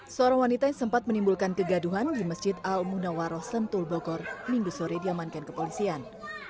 seorang wanita yang sempat menimbulkan kegaduhan di masjid al munawaroh sentul bogor minggu sore diamankan kepolisian